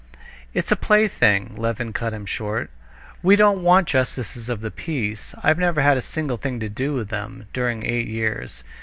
"It's a plaything," Levin cut him short. "We don't want justices of the peace. I've never had a single thing to do with them during eight years.